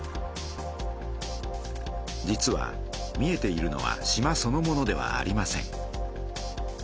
実は見えているのは島そのものではありません。